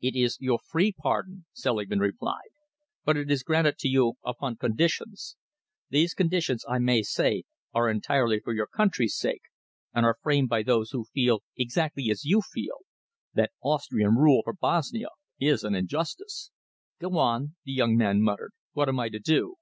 "It is your free pardon," Selingman replied, "but it is granted to you upon conditions. Those conditions, I may say, are entirely for your country's sake and are framed by those who feel exactly as you feel that Austrian rule for Bosnia is an injustice." "Go on," the young man muttered. "What am I to do?"